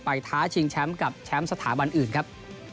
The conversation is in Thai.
ท้าชิงแชมป์กับแชมป์สถาบันอื่นครับ